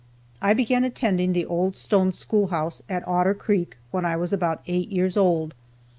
I began attending the old Stone school house at Otter creek when I was about eight years old.